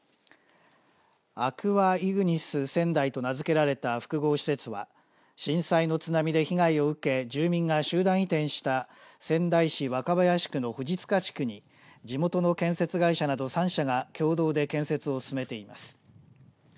アクアイグニス仙台と名づけられた複合施設は震災の津波で被害を受け住民が集団移転した仙台市若林区の藤塚地区に地元の建設会社など３社が共同で建設を進めています。